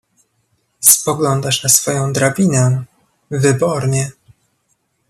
"spoglądasz na swoję drabinę... wybornie."